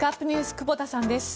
久保田さんです。